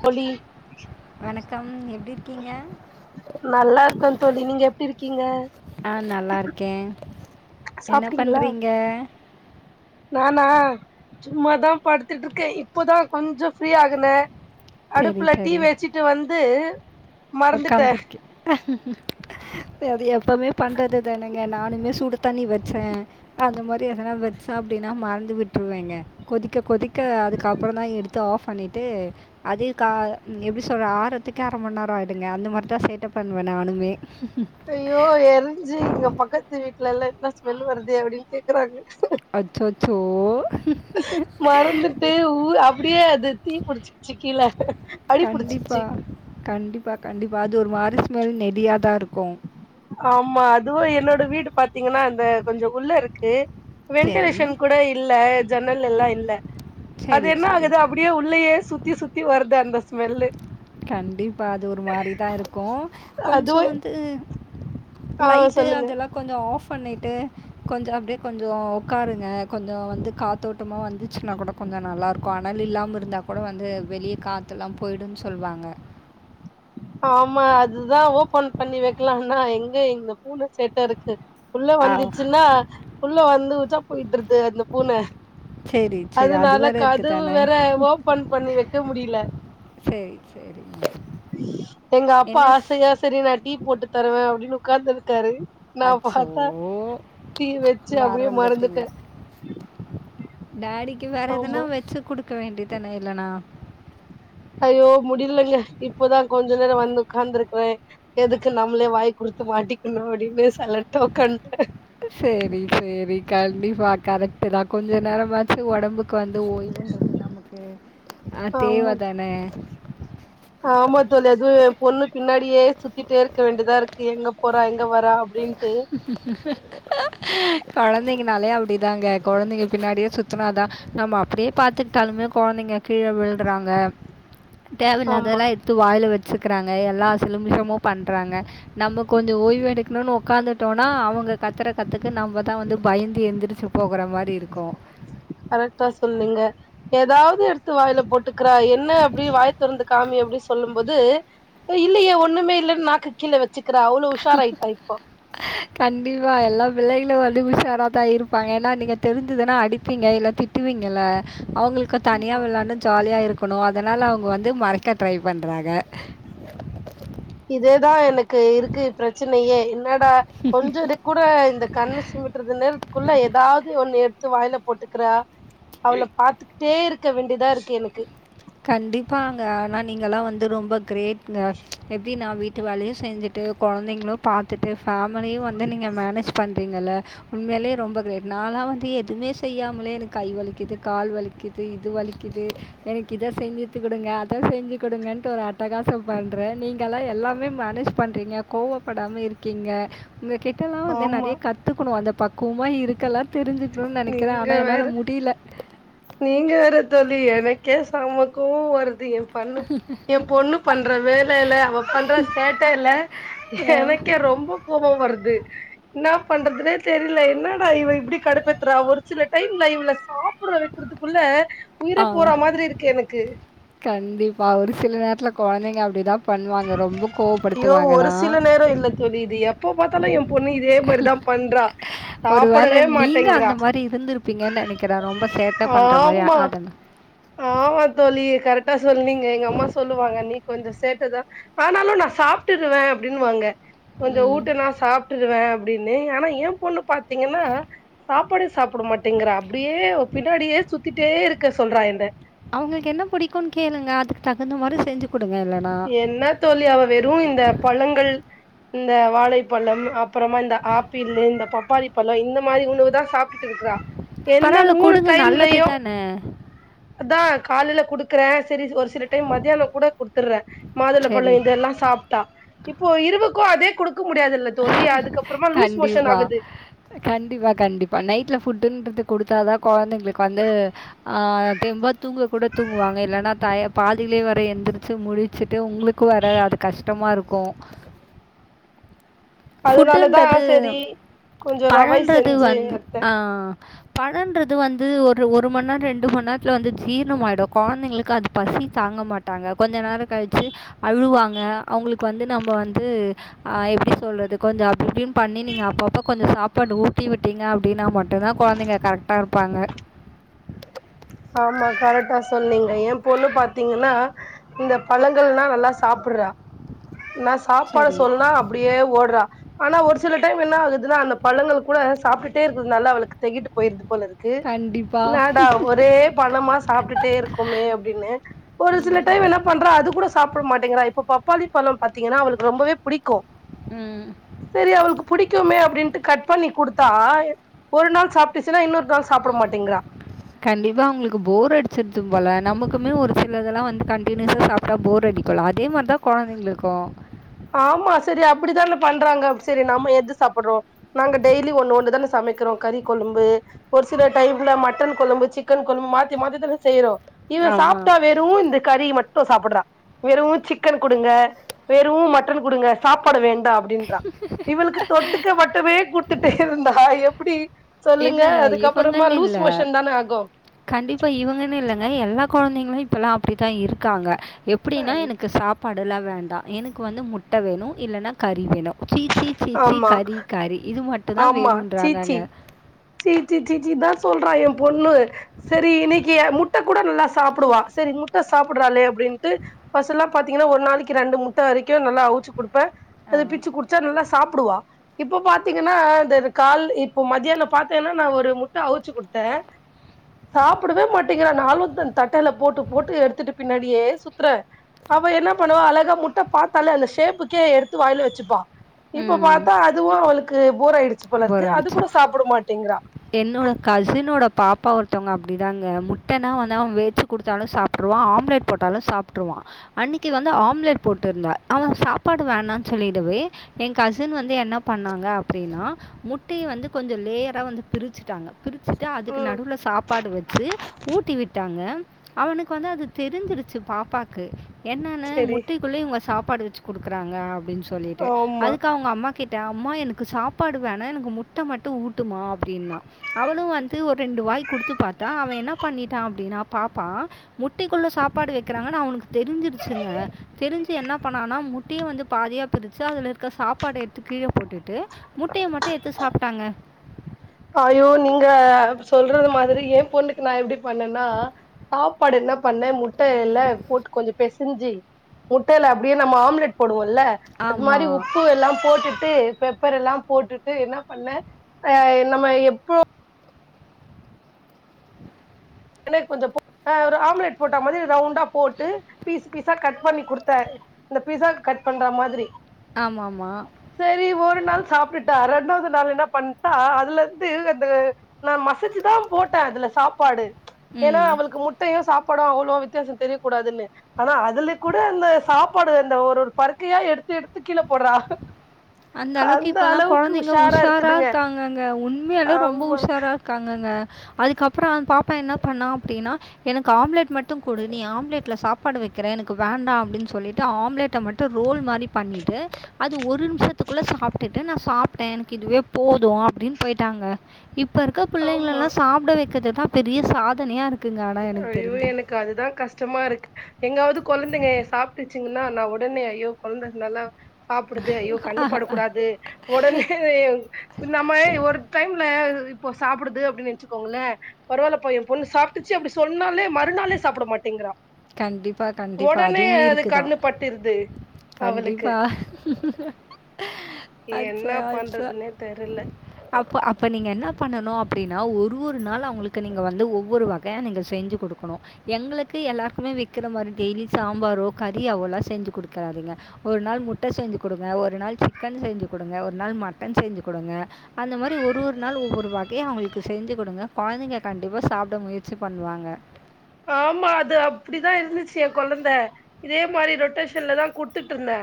தோழி வணக்கம் எப்படி இருக்கீங்க நல்லா இருக்க தோழி நீங்க எப்டி இருக்கீங்க ஆ நல்லா இருக்கே என்ன சாப்ட்டீங்களா பண்றீங்க நானா சும்மாதா படுத்துட்டு இருக்கே இப்பதா கொஞ்சோ ஃப்ரீ ஆகுனே சரி அடுப்புல டீ வச்சுட்டு வந்து மறந்துட்டே ஒக்காந்துருக்கே அது எப்பவுமே பண்றதுதானுங்க நானுமே சுடு தண்ணி வச்ச அந்த மாரி எதனா வச்சா அப்டின்னா மறந்து விட்டுருவேங்க கொதிக்க கொதிக்க அதுக்கப்பறந்தா எடுத்து ஆப் பண்ணிட்டு அதையு க எப்டி சொல்ற ஆறத்துக்ககே அர மண்நேரம் ஆயிடுங்க அந்த மாரிதா சேட்ட பண்ணுவ நானுமே ஐயோ எரிஞ்சு இங்க பக்கத்து வீட்டுல எல்லா என்ன ஸ்மெல் வருதே அப்டின்னு கேக்குறாங்க அச்சச்சோ மறந்துட்டு ஊ அப்டியே அது தீ புடிச்சிக்கிச்சு கீழ அடிபுடிச்சிக்கிச்சு கண்டிப்பா கண்டிப்பா அது ஒரு மாரி ஸ்மெல் நெடியாதா இருக்கு ஆமா அதுவு என்னோட வீடு பாத்தீங்கன்னா அந்த கொஞ்சோ உள்ள இருக்கு சரி வென்டிலேஷன் கூட இல்ல ஜன்னல் எல்லா இல்ல அது சரி, என்ன சரி. ஆகுது அப்டியே உள்ளயே சுத்தி சுத்தி வருது அந்த ஸ்மெல்லு கண்டிப்பா அது ஒரு மாரிதா இருக்கு கொஞ்சோ அதுவு வந்து ஆ லைட்டு சொல்லுங்க அதெல்லா கொஞ்சோ ஆஃப் பண்ணிட்டு கொஞ்சோ அப்டியே கொஞ்சோ உக்காருங்க கொஞ்சோ வந்து காத்தோட்டமா வந்துச்சுனா கூட கொஞ்சோ நல்லாருக்கு அனல் இல்லாம இருந்தா கூட வந்து வெளியே காத்துல்லா போய்டுன்னு சொல்லுவாங்க ஆமா அதுதா ஓபன் பண்ணி வைக்கலாம்னா எங்க எங்க பூன சேட்ட இருக்கு உள்ள ஆ. வந்துச்சுன்னா உள்ள வந்து உச்சா போயிடுருது அந்த பூன சேரி சேரி அது அதனால வேற இருக்கு கதவு தான வேற ஓபன் பண்ணி வைக்க முடியல சேரி சேரிங்க எங்க அப்பா ஆசையா சேரி நா டீ போட்டு தருவே அப்டின்னு உக்காந்துக்காரு அச்சோ வச்சு அப்டியே மறந்துட்டீங்க மறந்துட்டே டேடிக்கு வேற எதுன்னா ஆமா வச்சு குடுக்க வேண்டியதான இல்லனா ஐயோ முடியலங்க இப்போதா கொஞ்ச நேர வந்து உக்காந்துருக்கிறே எதுக்கு நம்மளே வாய குடுத்து மாட்டிக்கணு அப்டின்னு சைலண்டா உக்காந்துட்டே சேரி சேரி கண்டிப்பா கரெக்ட்டுதா கொஞ்ச நேரமாச்சு ஒடம்புக்கு வந்து ஓய் வுன்றது நமக்கு அ ஆமா தேவதான ஆமா தோழி அதுவு எ பொண்ணு பின்னாடியே சுத்திட்டே இருக்க வேண்டியதா இருக்கு எங்க போறா எங்க வரா அப்டின்ட்டு கொழந்தைங்கனாலே அப்டிதாங்க கொழந்தைங்க பின்னாடியே சுத்துனாதா நம்ம அப்படியே பாத்துக்கிட்டாலுமே கொழந்தைங்க கீழ விழுறாங்க ஆமா தேவயில்லாததுல்லா எடுத் து வாயில வச்சுக்கிறாங்க எல்லா சிலுமிஷமு பண்றாங்க நம்ம கொஞ்சோ ஓய்வு எடுக் குனுனு ஒக்காந்துட்டோனா அவங்க கத்துற கத்துக்கு நம்பதா வந்து பயந்து எழுந்திரிச்சு போகிற மாரி இருக்கு கரெக்டா சொன்னீங்க ஏதாவது எடுத்து வாயில போட்டுக்கிறா என்ன அப்டி வாய தொறந்து காமி அப்டின்னு சொல்லும்போது இல்லையே ஒண்ணுமே இல்லன்னு நாக்கு கீழ வச்சுக்கிற அவ்ளோ உஷாராயிட்டா இப்ப கண்டிப்பா எல்லா பிள்ளைகளு வந்து உஷாராதா இருப்பாங்க ஏன்னா நீங்க தெரிஞ்சிதுனா அடிப்பீங்க இல்ல திட் டுவீங்கள அவங்களுக் க்க தனியா வெள்ளாண்னு ஜாலியாக இருக்கேணு அதனால அவுங்க வந்து மறைக்க ட்ரை பண்றாங்க இதேதா எனக்கு இருக்கு பிரச்சனையே என்னடா கொஞ்சது கூட இந்த கண்ணு சீமிட் றது நேரத்துக்குள்ள ஏதாவது ஒண்ணு எடுத்து வாயில போட்டுக்குற அவள பாத்துக்கிட்டே இருக்க வேண்டியதா இருக்கு எனக்கு கண்டிப்பங்க ஆனா நீங்களா வந்து ரொம்ப கிரேட்ங்க எப்டினா வீட் ட்டு வேலையு செஞ்சுட்டு கொழந்தைங்களு பாத்துட்டு ஃபேமிலியு வந்து நீங்க மேனேஜ் பண்றீங்கல்ல உண்மையிலயே ரொம்ப கிரேட் நானா வந்து எதுவுமே செய்யாமலே எனக்கு கை வலிக்கிது கால் வலிக்கித் து இது வலிக்கிது எனக் கித செஞ்சு குடுங்க அத செஞ்சு குடுங்கன்ட்டு ஒரு அட்டகாசோ பண்றே நீங்கள்லா எல்லாமே மேனேஜ் பண்றீங்க கோவப்படாம இருக்கீங்க உங்க கிட்டல்லா வந்து ஆமா நறைய கத்துக்கணு அந்த பக்குவமா இருக்கலா தெரிஞ்சுக்கணுன் நெனைக்கிறே நீங்க ஆனா என்னால வேற முடியில நீங்க வேற தோழி எனக்கே சம கோவோ வருது பண்ணு எ பொண்ணு பண்ற வேலயில அவ பண்ற சேட்டலே எனக்கே ரொம்ப கோபம் வருது என்ன பண்றதுனே தெரில என்னடா இவ இப்பிடி கடுப்பேத்துறா ஒரு சில டைம்ல இவல சாப்பிட்ற த்து குள்ள உயிரே ஆ. போற மாதிரி இருக்கு எனக்கு கண்டிப்பா ஒரு சில நேரத்துல கொழந்தைங்க அப்படிதா பண்ணுவாங்க ரொம்ப ஐயோ கோவப்படுத்துவாங்க ஒரு தான். சில நேரோல்ல தோழி இது எப்ப பாத்தாலு எ பொண்ணு இ தே மாதிரிதா பண்றா ஒருவேளை சாப்பிடவே மாட்டேங்கிறா க்கேற ரொம்ப சேட்ட பண்ற மாரி ஆமா அது ஆமா தோழி கரெக்டா சொல்லீங்க எங்க அம்மா சொல்லுவாங்க நீ கொஞ்சோ சேட்டதா ஆனாலு நா சாப்ட்டுருவே அப்டின்னு வாங்க கொஞ்சோ ம். ஊட்டுனா சாப் ட்டுருவே அப்டின்னு ஆனா ஏ பொண்ணு பாத்தீங்கன்னா சாப்பாடே சாப்புட மாட்டேங்கிறா அப்டியே பின்னாடியே சுத்திட்டேருக்க சொல்றா என்ன அவுங்களுக்கு என்ன புடிக்குன்னு கேளுங்க அதுக்கு தகுந்த மாரி செஞ்சு குடுங்க இல்ல என்ன தோழி அவ வெறு இந்த பழங்கள் இந்த வாழைப்பழம் அப்புறமா இந்த ஆப்பிள் இந்த பப்பாளி பழோ இந்த மாதிரி உணவு தா சாப் ட்டுறா எந்த பரவால்ல மூணு குடுங்க நல்லது டைம்லையோ தானே. அதா கால்ல குடுக்குறே செரி ஒரு சில டைம் மத்தியானோ கூட குடுத் துர்றே மாதுளபழோ சரி. இதெல்லா சாப்ட்டா இப்போ இரவுக்கு அதே குடு க்க முடியாதுல்ல தோழி அதுக்கப்புறமா லூஸ் மோஷன் கண்டிப்பா. ஆகுது கண்டிப்பா கண்டிப்பா நைட்ல ஃபுட்டுன்றது குடுத்தாதா கொழந்தைங்களுக்கு வந்து ஆ தெம்பா தூங்க கூட தூங்குவாங்க இல்லன்னா டைம் பாதிலேயே வர எந்திரிச்சு முழிச்சுட்டு உங்களு க்கு வர அது கஷ்டமாருக்கு அதனாலதா ஃபுட்ன்றது செரி கொஞ்சோ ரவை பழோன்றது செஞ்சு வந்து எடுத்தே ஆ பழோன்றது வந்து ஒரு ஒரு மண் நேரோ ரெண்டு மண் நேரத்துல வந்து ஜீரணமாயிடு கொழந்தைங்களுக்கு அது பசி தாங்க மாட் டாங்க கொஞ்ச நேரோ கழச்சு அழுவாங்க அவுங்களுக்கு வந்து நம்ம வந்து ஆ எப்டி சொல்றது கொஞ்சோ அப்டி இப்டி பண்ணி நீங்க அப்பப்போ கொஞ்சோ சாப்பாட்டு ஊட்டி விட்டீங்க அப்டினா மட்டு தா கொழந்தைங்க கரெக்டாருப் ப்பாங்க ஆமா கரெக்டா சொன்னீங்க ஏ பொண்ணு பாத்தீங்கன்னா இந்த பழங்கள்னா நல்லா சாப்புட்றா இன்னா ஸ் சாப்பாடு சரி சொன்னா அப்படியே ஓட்றா ஆனா ஒரு சில டைம் என்னாகுதுன்னா அந்த பழங்கள் கூட சாப்ட்டு டே இருக்குதுனால அவளுக்கு தெகிட்டு போயிருது போலருக்கு கண்டிப்பாக என்னடா ஒரே பழமா சாப்ட்டுட்டே இருக்குமே அப்டின்னு ஒரு சில டைம் ம் என்ன பண்றா அது கூட சாப்புட மாட்டேங்கறா இப்போ பப்பாளி பழோ பாத்தீங்கன்னா அவளுக்கு ரொம்பவே புடிக்கு ம் சரி அவளுக்கு புடிக்குமே அப்டின்ட்டு கட் பண்ணி கொடுத்தா ஒரு நாள் சாப்ட்டுச்சுன்னா இன்னொரு நாள் சாப்ட மாட்டங்கிறா கண்டிப்பா அவங்களுக்கு போர் அடிச்சிருது போல நமக்குமே ஒரு சிலதெல்லா வந்து கண்டியூசா அப்பறோ போர் அடிகுள அதே மாரிதா குழந்தைங்களுக்கும் ஆமா செரி அப்டித்தான பண்றாங்க சரி நாம எது சாப்டுறோ நாங்க டெய்லி ஒண்ணு ஒண்ணு தான சமக்கிறோ கறி கொழம்பு ஒரு சில டைம்ல மட்டன் கொழம்பு சிக்கன் கொழம்பு மாத்தி மாத்திதான செய்றோ இவ ஆமாம் சாப்ட்டா வெறும் இந்த கறி மட்டு சாப்டுறா வெறும் சிக்கன் கொடுங்க வெறு மிட் கொடுங்க சாப்பாட வேண்டா அப்டின்றா இவளுக்கு தொட்டுக்க மட்டுமே கொடுத்துட்டே இருந்தா எப்டி சொல்லுங்க இல்லைங்க அதுக்கப்பறமா லூஸ் மோஷன் தான ஆகும் கண்டிப்பா இவங்கன்னு இல்லங்க எல்லா குழந்தைங்களு இப்பல்லா அப்டித்தா இருக்காங்க அப்டின்னா எனக்கு சாப்பாடெலா வேண்டா எனக்கு வந்து முட்ட வேணும் இல்லன்னா கறி வேணு சீச்சி சீச்சி ஆமா கறி கறி இது மட்டு தா வேணும்றாங்க அங்க சீ சி சச்சிதா சொல்றா எய பொண்ணு சரி இன்னிக்கு முட்ட கூட நல்லா சாப்டுவா செரி முட்ட சாப்டறாளே அப்டின்ட்டு ஃபர்ஸ்ட் எல்லா பாத்தீங்கன்னா ஒரு நாளைக்கு ரெண்டு முட்ட வரக்கும் நல்லா அவிச்சு கொடுப்ப ஆ அது பிச்சு குடுத்து உச்சா நல்லா சாப்டுவா இப்ப பாத்தீங்கன்னா இந்த கால் இப்ப மத்தியான பாத்தேன்னா நா ஒரு முட்ட அவிச்சு கொடுத்த சாப்டவே மாட்டங்கிறா நாலும் த தட்டயில போட்டு போட்டு எடுத்துட்டு பின்னாடியே சுத்துற அவ என்ன பண்ணுவா அழகா முட்ட பாத்தாலே அந்த ஷேப்புக்கே எடுத்து வாயுல வச்சுப்பா இப்ப ம் பாத்தா அதுவு அவளுக்கு போர் ஆய்டுச்சு போல இருக்கு போர் அது அடிச்சு கூட சாப்ட மாட்டங்கிறா என்னோட கசினோட பாப்பா ஒருத்தவங்க அப்டிதாங்க முட்டனா வந்து அவ வெச் கொடுத்தாலு சாப்டுருவா ஆம்லட் போட்டாலு சாப்டுருவா அன்னிக்கு வந்து ஆம்லெட் போட்டுருந்தா அவ சாப்பாடு வேணாம்னு சொல்லிடவே எய கசின் வந்து என்ன பண்ணாங்க அப்டின்னா முட்டய வந்து கொஞ்சோ லேயரா வந்து பிரிச்சுட்டாங்க பிரிச்சுட்டு அதுக்கு ம் நடுவுல சாப்பாடு வச்சு ஊட்டி விட்டாங்க அவனுக்கு வந்து அது தெரிஞ்சிருச்சு பாப்பாக்கு என்னன்னு செரி முட்டக்குள்ள இவங்க சாப்பாடு வச்சு கொடுக்குறாங்க அப்டின்னு சொல்லிட்டு ஆமா அதுக்கு அவங்க அம்மா கிட்ட அம்மா எனக்கு சாப்ட சப்பாடுவோனா எனக்கு முட்ட மட்டும் ஊட்டுமா அப்டின்னா அவளு வந்து ஒரு ரெண்டு வாய் கொடுத்து பாத்தா அவ என்ன பண்ணிட்டா அப்டின்னா பாப்பா முட்டக்குள்ள சாப்பாடு வக்கிறாங்கன்னு அவனுக்கு தெரிஞ்சிருச்சுங்க தெரிஞ்சு என்ன பண்ணனா முட்டிய வந்து பாதியா பிரிச்சு அதுல இருக்க சாப்பாடு எடுத்து கீழ போட்டுட்டு முட்டய மட்டும் எடுத்து சாப்புட்டாங்க அயோ நீங்க சொல்றது மாரி எய பொண்ணு நா எப்டி பண்ணேன்னா சாப்பாடு என்ன பண்ணே முட்டல்ல போட்டு கொஞ்ச பேச ஞ்சு முட்டயில நம்ம ஆம்லெட் போடுவோம்ல்ல அது மாதிரி ஆமாம் உப்பு எல்லா போட்டுட்டு பெப்பர் எல்லா போட்டுட்டு என்ன பண்ண அ நம்ம எப்ப எனக்கு கொஞ்சம்் ஒரு ஆம்லெட் போட்ட மாரி ரவுண்டா போட்டு பீஸ் பீஸா கட் பண்ணி கொடுத்த இந்த பீஸா கட் பண்ற மாதிரி ஆமாமா செரி ஒரு நாள் சாப்ட்டுட்டா ரெண்டாவது நாள் என்ன பண்ணிட்டா அதுல இருந்து அந்த நா மசஜீ தா போட்ட அதுல சாப்பாடு ஏன்னா ம் அவனுளுக்கு முட்டயோ சாப்பாடு அவ்வளோ வித்தியாச தெரியக் கூடாதுன்னு ஆனா அதுல கூட அந்த சாப்பாடு அந்த ஒரு பருக்கயா எடுத்து எடுத்து கீழ போடுறா அந்த அளவுக்கு இப்ப எல்லா கொழந்தைங்க உஷாரா இருக்காங்கங்க உண்மையாலே ரொம்ப ஆமா உஷாரா இரு க்காங்கங்க அதுக்கப்புற அந்த பாப்பா என்ன பண்ணா அப்டின்னா எனக்கு ஆம்லெட் மட்டு குடு நீ ஆம்லெட்ல சாப்பாடு வைக்கிற எனக்கு வேண்டா அப்டின் சொல்லிட்டு ஆம்லேட்ட மட்டு டு ரோல் மாரி பண்ணிட்டு அது ஒரு நிமிஷ த்துக்குள்ள சாப்ட்டுட்டு நா சாப்ட்ட எனக்கு இதுவே போது அப்டினு போயிட்டாங்க இப்போ இருக்க ஆமா பிள்ளைங்களலா சாப்ட வைக்கிறதுதா பெரிய சாதனையா இருக் ஐயோ எனக்கு அதுதா கஷ்டமா இருக் எங்காவது கொழந்தைங்க சாப்ட்டுச்சுங்கன்னா நா ஒடனே ஐயோ கொழந்தை நல்லா சாப்டுது ஐயோ கண்ணுப்படக் கூடாது ஒடனே நம்ம ஒரு டைம்ல இப்ப சாப்பிடுது அப்டினு நினைச்சுக்கோங்களே பரவால்லப்பா எ பொண்ணு சாப்ட் ச்சு அப்டி சொன்னாலே மறுநாளே சாப்ட மாட்டேங்கிறா கண்டிப்பா கண்டிப்பா ஒடனே அதுவு அது இருக்குதா கண்ணு பட்டுருது அவளுக்கு என்ன அச்சா அச்சா பண்றதுனே தெரில அப்போ அப்போ நீங்க என்ன பண்ணணு அப்படினா ஒரு ஒரு நாளு அவங்களுக்கு நீங்க வந்து ஒவ்வொரு வகையா நீங்க செஞ்சு கொடுக்கணு எங்களுக்கு எல்லாருக்குமே வெக்கற மாரி டெய்லி சாம்பாரோ கறியாவோலா செஞ்சு கொடுக்குறாதீங்க ஒரு நாள் முட்ட செஞ்சு குடுங்க ஒரு நாள் சிக்கன் செஞ்சு குடுங்க ஒரு நாள் மட்டன் செஞ்சு குடுங்க அந்த மாரி ஒரு ஒரு நாள் ஒவ்வொரு வகையா அவங்களுக்கு செஞ்சு கொடுங்க கொழந்தைங்க கண்டிப்பா சாப்பிட முயற்சி பண்ணுவாங்க ஆமா அது அப்படிதா இருந்துச்சு எ கொழந்த இதே மாரி ரொட்டேஷன்ல தா குடுத்துட்டு இருந்த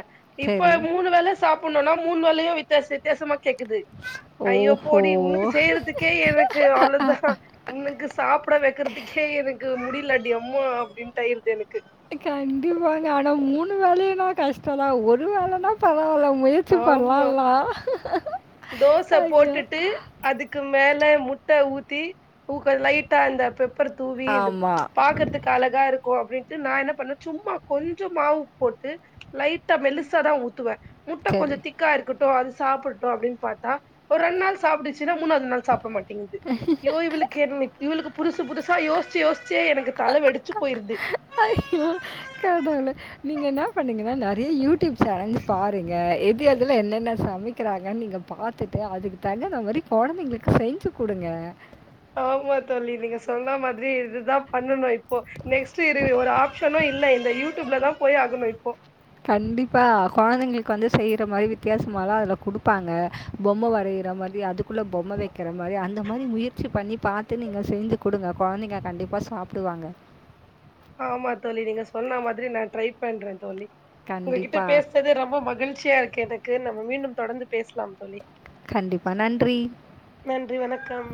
இப்ப சரி மூணு வேல சாப்புணுனா மூணு வேலையு வித்தியாச வித்தியாசமா கேக்குது ஐயோ ஓஹோ போடி உனுக்கு செய்றதுக்கே எனக் க்கு அவ்ளதா உனக்கு சாப்பிட வைக்கிறதுகே எனக் முடியலடி அம்மா அப்டினு ஆயிடுது எனக்கு கண்டிப்பாங்க ஆனா மூணு வேலையன்னா கஷ்ட தா ஒரு வேலைனா பரவால முயற்சி ஆமா பண்ணலால்லா தோச ஐயோ போட்டுட்டு அதுக்கு மேல முட்ட ஊத்தி ஊக்க லைட்டா அந்த பெப்பர் தூவி இந்த ஆமாம் பாக்கறதுக்கு அழகா இருக்கு அப்டின் டு நா என்ன பண்ண சும்மா கொஞ்ச மாவு போட்டு லைட்டா மெல்லிசாதா ஊத்துவ முட்ட சரி. கொஞ்ச திக் க்கா இருக்கட்டு அது சாப்பிடட்டு அப்டினு பாத்தா ஒரு ரெண்டு நாள் சாப்டுச்சுன்னா மூணாவது நாள் சாப்ட மாட்டேங்குது யோ இவளுக்கு என் இவளுக்கு புதுசு புதுசா யோசிச்சு யோசிச்சே எனக்கு தல வெடிச்சு போயிருது ஐயோ கடவுளே நீங்க என்ன பண்ணீங்கன்னா நெறைய யூடிப் சேனல்ஸ் பாருங்க எப் ப அதுல என்னென்னன சமைக்கிறாங்க கன் நீங்க பாத்துட்டு அதுக்கு தகுந்தா மாரி கொழந்தைங்களுக்கு செஞ்சு கொடுங்க ஆமா தோழி நீங்க சொன்ன மாதிரி இதுதா பண்ணணு இப்போ நெக்ஸ்ட் ஒரு ஆப்ஷனு இல்ல இந்த யூடிப்ல தா போய் ஆகணு இப்போ கண்டிப்பா கொழந்தைங்களுக்கு வந்து செய்யற மாரி வித்தியாசமாலா அதுல குடுப்பாங்க பொம்ம வரையிற மாரி அதுக்குள்ள பொம்ம வைக்கிற மாரி அந்த மாரி முயற்சி பண்ணி பாத்து நீங்க செஞ்சு குடுங்க கொழந்தைங்க கண்டிப்பா சாப்டுவாங்க ஆமா தோழி நீங்க சொன்ன மாதிரி நா ட்ரை பண்ற தோழி உங்ககிட்ட கண்டிப்பா, பேசுறது ரொம்ப மகிழ்ச்சியா இருக்கு எனக்கு நம்ம மீண்டும் தொடர்ந்து பேசலாம் தோழி கண்டிப்பா நன்றி நன்றி வணக்கம்